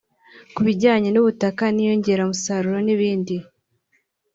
ku bijyanye n’ubutaka n’inyongeramusaruro n’ibindi